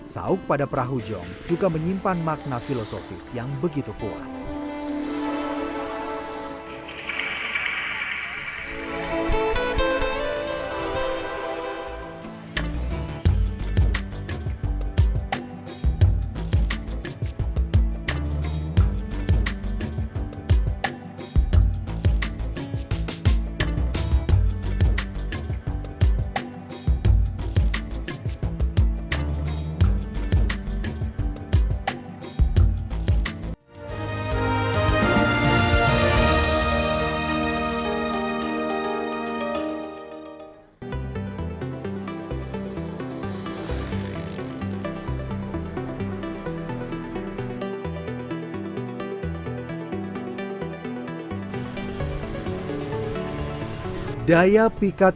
saug pada prahu jong juga menyimpan makna filosofis yang begitu kuat